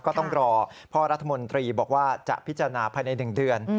ก็ต้องรอพ่อรัฐมนตรีบอกว่าจะพิจารณาภายใน๑เดือน